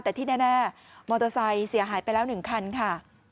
แต่ที่แน่มอเตอร์ไซค์เสียหายไปแล้ว๑คันค่ะ